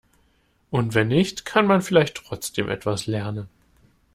Und wenn nicht, kann man vielleicht trotzdem etwas lernen.